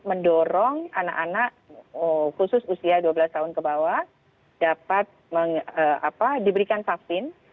mendorong anak anak khusus usia dua belas tahun ke bawah dapat diberikan vaksin